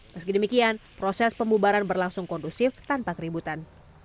meski demikian proses pembubaran berlangsung kondusif tanpa keributan